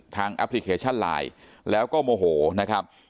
แอปพลิเคชันไลน์แล้วก็โมโหนะครับ